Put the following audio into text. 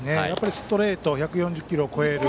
ストレート１４０キロを超える。